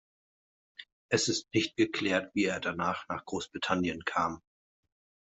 Es ist nicht geklärt, wie er danach nach Großbritannien kam.